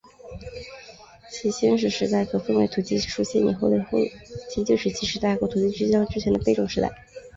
其先史时代可分为土器出现以前的后期旧石器时代和土器出现之后的贝冢时代。